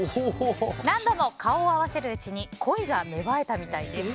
何度も顔を合わせるうちに恋が芽生えたみたいです。